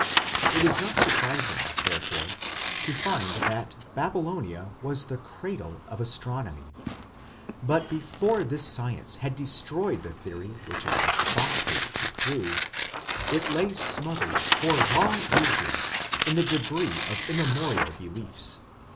It is not surprising, therefore, to find that Babylonia was the cradle of astronomy. But before this science had destroyed the theory which it was fostered to prove, it lay smothered for long ages in the debris of immemorial beliefs.